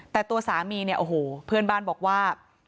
แต่ตัวสามีเนี่ยโอ้โหเพื่อนบ้านบอกว่า